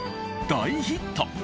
大ヒット。